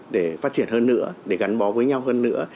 để phát triển hơn nữa để gắn bó với nhau hơn nữa